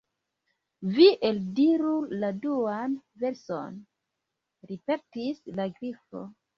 "Vi eldiru la duan verson," ripetis la Grifo.